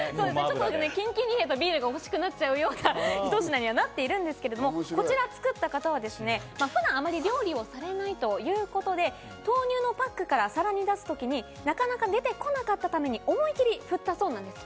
キンキンに冷えたビールが欲しくなっちゃうようなひと品になってますが、こちらを作った方はですね、普段あまり料理をされないということで、豆乳のパックから皿に出すときになかなか出てこなかったために思い切り振ったそうです。